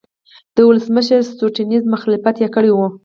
د ولسمشر سټیونز مخالفت یې کړی و.